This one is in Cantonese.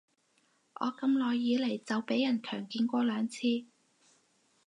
我咁耐以來被人強檢過兩次